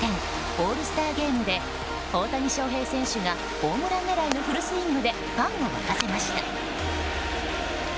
オールスターゲームで大谷翔平選手がホームラン狙いのフルスイングでファンを沸かせました。